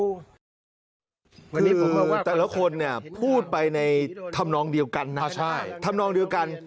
คือแต่ละคนพูดไปในธำนองเดียวกันนะธำนองเดียวกัน